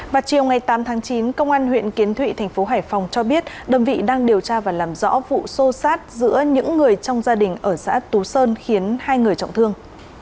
vào chiều ngày tám tháng chín công an huyện kiến thụy thành phố hải phòng cho biết đồng vị đang điều tra và làm rõ vụ xô xát giữa những người trong gia đình ở xã tú sơn khiến hai người trọng thương